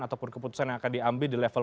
ataupun keputusan yang akan diambil di level